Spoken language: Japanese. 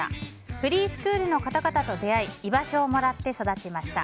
フリースクールの方々と出会い居場所をもらって育ちました。